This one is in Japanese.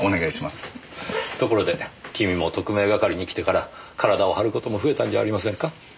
ところで君も特命係に来てから体を張る事も増えたんじゃありませんか？